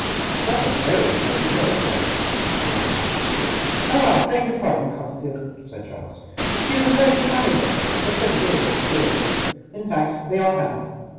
'What a very unpleasant girl, Traddles!' I remarked. 'Oh, I beg your pardon, Copperfield!' said Traddles. 'She is a very charming girl, but she has a great deal of feeling. In fact, they all have.